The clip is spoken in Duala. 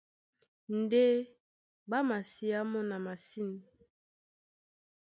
Ndé ɓá masiá mɔ́ na masîn.